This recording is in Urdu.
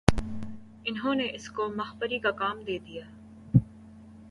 انہوں نے اس کو مخبری کا کام دے دیا